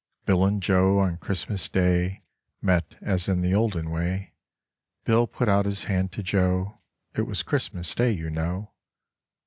Bill and Joe on Christmas Day Met as in the olden way; Bill put out his hand to Joe, It was Christmas Day, you know.